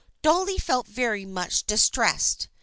Dolly felt very much distressed.